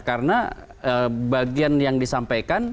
karena bagian yang disampaikan